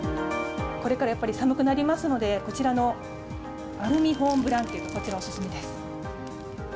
これからやっぱり寒くなりますので、こちらのアルミ保温ブランケット、こちら、お勧めです。